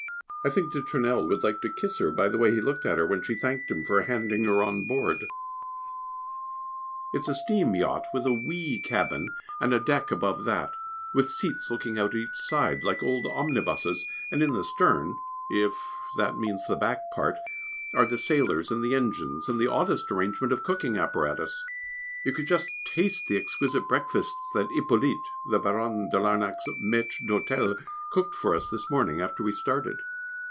I think de Tournelle would like to kiss her, by the way he looked at her when she thanked him for handing her on board. [Sidenote: The Invaluable Hippolyte] It is a steam yacht with a wee cabin, and a deck above that, with seats looking out each side, like old omnibuses, and in the stern (if that means the back part) are the sailors and the engines, and the oddest arrangement of cooking apparatus. You should just taste the exquisite breakfasts that Hippolyte (the Baronne de Larnac's maître d'hôtel) cooked for us this morning after we started.